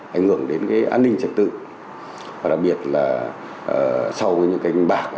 ảnh hưởng đến an ninh trật tự và đặc biệt là sau những bạc